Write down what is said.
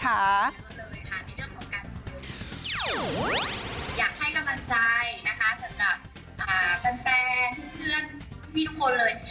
อยากให้กำลังใจนะคะสำหรับแฟนเพื่อนพี่ทุกคนเลย